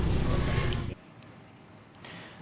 ini mencari keadilan hukum